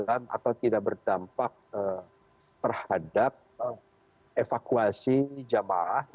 atau tidak berdampak terhadap evakuasi jamaah